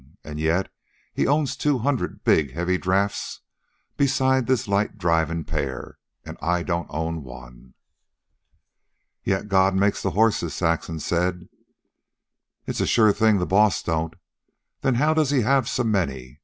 An' yet he owns two hundred big heavy draughts besides this light drivin' pair, an' I don't own one." "Yet God makes the horses," Saxon said. "It's a sure thing the boss don't. Then how does he have so many?